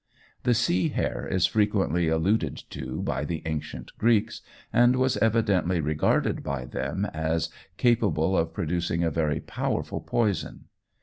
The sea hare is frequently alluded to by the ancient Greeks, and was evidently regarded by them as capable of producing a very powerful poison.